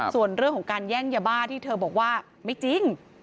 ส่วนเรื่องของการแย่งยาบ้าที่เธอบอกว่าไม่จริง